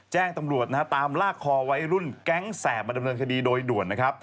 แจ้งตำรวจตามลากคอไว้รุ่นแก๊งแสบมาดำเนินคดีโดยด่วน